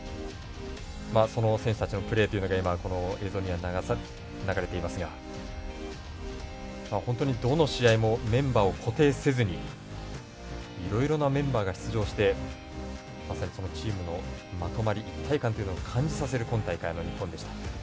その選手たちのプレーっていうのが映像には流れていますが本当に、どの試合もメンバーを固定せずにいろいろなメンバーが出場してまさに、そのチームのまとまり一体感というのを感じさせる、今大会の日本でした。